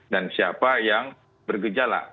dan siapa yang bergejala